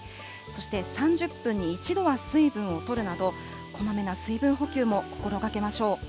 そして３０分に１度は水分をとるなど、こまめな水分補給も心がけましょう。